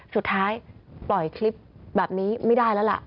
สุดท้ายปล่อยคลิปแบบนี้ไม่ได้แล้วล่ะ